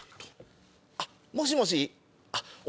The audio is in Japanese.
あっもしもし俺俺！